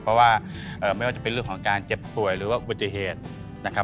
เพราะว่าไม่ว่าจะเป็นเรื่องของการเจ็บป่วยหรือว่าอุบัติเหตุนะครับ